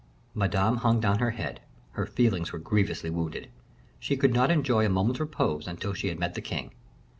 Madame hung down her head; her feelings were grievously wounded. She could not enjoy a moment's repose until she had met the king.